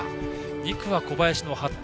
２区は小林の服部。